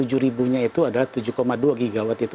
jadi kita bisa menghasilkan itu